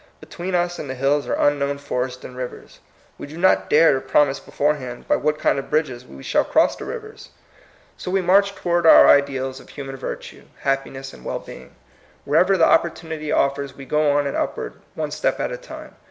Between us and the hills are unknown for ests and rivers. We do not dare to prom ise beforehand by what kind of bridges we shall cross the rivers. So we march THE MOTTO OF VICTORY. 175 toward our ideals of human virtue, happi. ness, and well being. Wherever the oppor tunity offers we go on and upward one step at a time.